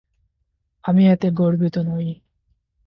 আমি এতে গর্বিত নই।